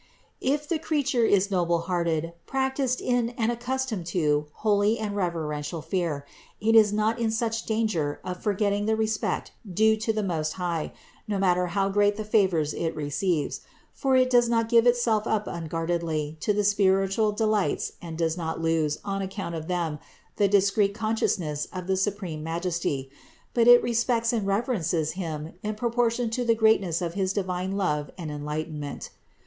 527. If the creature is noble hearted, practiced in and accustomed to holy and reverential fear, it is not in such danger of forgetting the respect due to the Most High, no matter how great the favors it receives; for it does not give itself up unguardedly to the spiritual delights and does not lose, on account of them, the discreet con sciousness of the supreme Majesty; but it respects and reverences Him in proportion to the greatness of his divine love and enlightenment.